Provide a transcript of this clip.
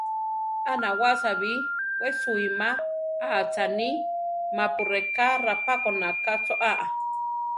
A nawása bi, we suíma aáchani, mapu reká rapákona ka cho aa.